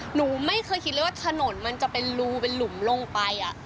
หนูไม่เคยคิดเลยว่าถนนมันจะเป็นรูเป็นหลุมลงไป